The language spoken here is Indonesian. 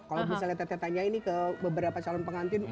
kalau misalnya teteh tanya ini ke beberapa calon pengantin